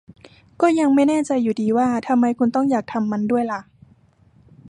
ก็ยังไม่แน่ใจอยู่ดีว่าทำไมคุณต้องอยากทำมันด้วยล่ะ